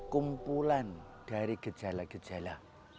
kumpulan dari gejala gejala